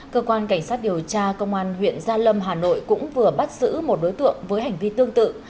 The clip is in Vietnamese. cơ quan cảnh sát điều tra công an huyện gia lâm hà nội cũng vừa bắt giữ một đối tượng với hành vi tương tự